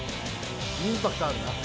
インパクトあるな。